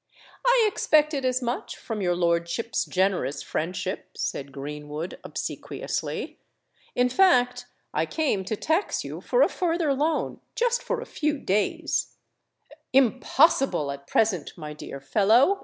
"I expected as much from your lordship's generous friendship," said Greenwood, obsequiously. "In fact, I came to tax you for a further loan—just for a few days——" "Impossible at present, my dear fellow!"